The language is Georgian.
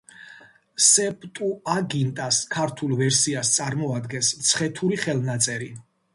სეპტუაგინტას ქართულ ვერსიას წარმოადგენს „მცხეთური ხელნაწერი“.